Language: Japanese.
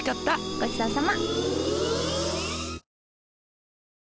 ごちそうさま。